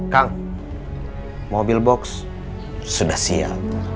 kang mobil box sudah siap